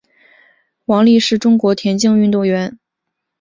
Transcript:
王丽是中国田径运动员。